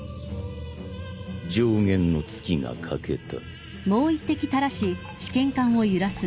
上弦の月が欠けた。